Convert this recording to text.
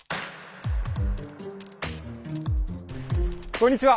こんにちは！